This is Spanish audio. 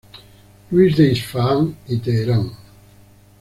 Louis de Isfahan y Teherán.